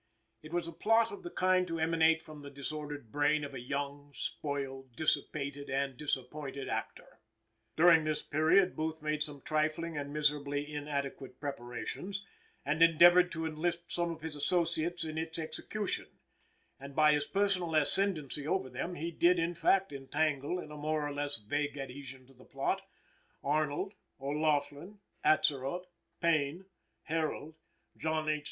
It was a plot of the kind to emanate from the disordered brain of a young, spoiled, dissipated and disappointed actor. During this period, Booth made some trifling and miserably inadequate preparations, and endeavored to enlist some of his associates in its execution; and, by his personal ascendency over them, he did in fact entangle, in a more or less vague adhesion to the plot, Arnold, O'Laughlin, Atzerodt, Payne, Herold, John H.